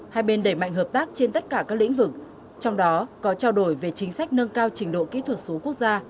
hai bên đẩy mạnh hợp tác trên tất cả các lĩnh vực trong đó có trao đổi về chính sách nâng cao trình độ kỹ thuật số quốc gia